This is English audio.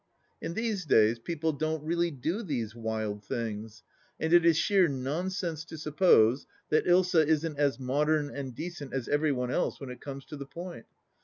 In these days people don't really do these wild things, and it is sheer nonsense to suppose that Ilsa isn't as modern and decent as every one else when it comes to the point.